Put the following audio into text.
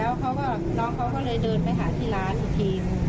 หอที